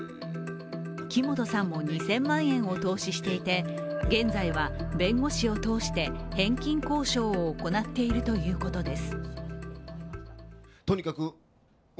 木本さんも２０００万円を投資していて現在は、弁護士を通して返金交渉を行っているということです。